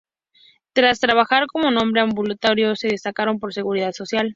Tras barajar como nombre ‘ambulatorio', se decantaron por "Seguridad Social".